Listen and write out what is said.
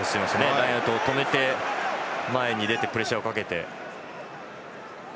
ラインアウトを止めて、前に出てプレッシャーをかけて。